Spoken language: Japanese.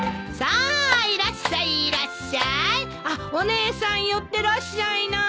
あっお姉さん寄ってらっしゃいなぁ。